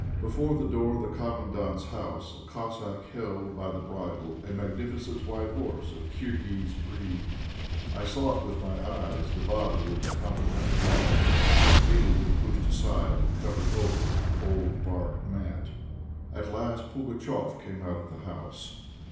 Before the door of the Commandant's house a Cossack held by the bridle a magnificent white horse of Kirghiz breed. I sought with my eyes the body of the Commandant's wife; it had been pushed aside and covered over with an old bark mat. At last Pugatchéf came out of the house.